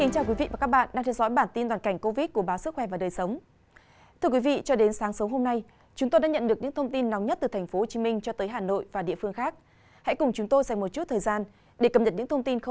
các bạn hãy đăng kí cho kênh lalaschool để không bỏ lỡ những video hấp dẫn